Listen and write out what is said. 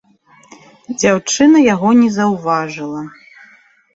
Дзяўчына яго не заўважыла.